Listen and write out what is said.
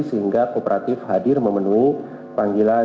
sehingga kooperatif hadir memenuhi panggilan